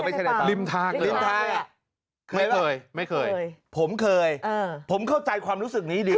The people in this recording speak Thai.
ไม่ใช่ในปั๊มริมทางเหรอไม่เคยผมเคยผมเข้าใจความรู้สึกนี้ดี